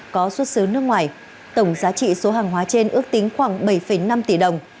có xuất xứ nước ngoài tổng giá trị số hàng hóa trên ước tính khoảng bảy năm tỷ đồng